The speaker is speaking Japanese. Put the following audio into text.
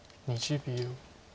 ２０秒。